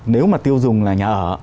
nếu mà tiêu dùng là nhà ở